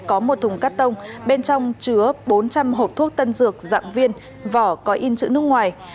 có một thùng cắt tông bên trong chứa bốn trăm linh hộp thuốc tân dược dạng viên vỏ có in chữ nước ngoài